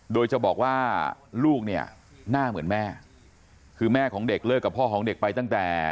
โดยจะบอกว่าลูกเนี่ยหน้าเหมือนแม่คือแม่ของเด็กเลิกกับพ่อของเด็กไปตั้งแต่